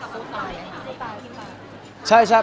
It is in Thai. คุณคุณพูดมากเลยกับว่าไหนครับ